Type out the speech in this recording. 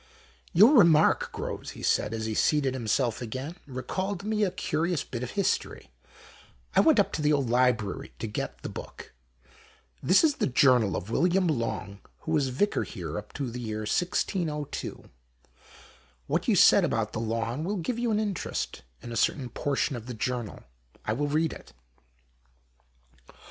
" Your remark, Groves," he said as he seated himself again, " recalled to me a curious bit of history : I went up to the old library to get the book. This is the journal of William Longue who was Vicar here up to the year 1602. What you said about the lawn will give you an interest in a certain portion of the journal. I will read it."